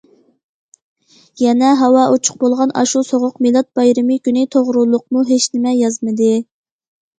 يەنە ھاۋا ئوچۇق بولغان ئاشۇ سوغۇق مىلاد بايرىمى كۈنى توغرۇلۇقمۇ ھېچنېمە يازمىدى.